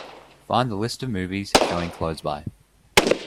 Find the list of movies showing close by